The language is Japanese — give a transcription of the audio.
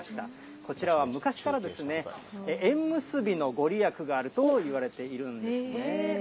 こちらは昔から縁結びの御利益があるといわれているんですね。